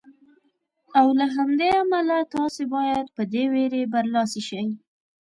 او له همدې امله تاسې باید په دې وېرې برلاسي شئ.